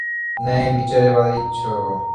ন্যায়বিচারে বাধা দিচ্ছো?